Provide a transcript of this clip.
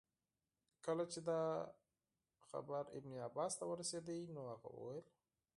کله چي دا خبر ابن عباس ته ورسېدی نو هغه وویل.